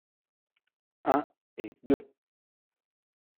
un et deux.